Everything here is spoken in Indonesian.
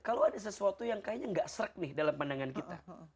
kalau ada sesuatu yang kayaknya nggak serak nih dalam pandangan kita